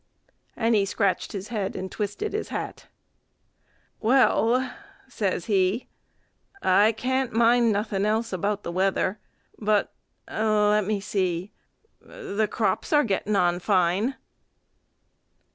And he scratched his head and twisted his hat. "Well," says he, "I can't mind nothing else about the weather, but let me see; the crops are getting on fine."